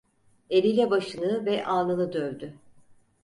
Eliyle başını ve alnını dövdü.